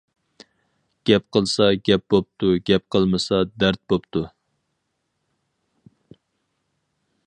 گەپ قىلسا گەپ بوپتۇ گەپ قىلمىسا دەرد بوپتۇ.